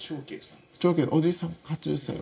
おじいさん８０歳の。